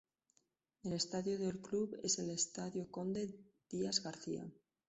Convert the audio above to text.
El estadio del club es el Estádio Conde Dias García.